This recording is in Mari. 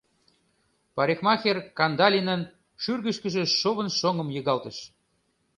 Парикмахер Кандалинын шӱргышкыжӧ шовын шоҥым йыгалтыш.